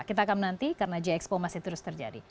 kita akan menanti karena g expo masih terus terjadi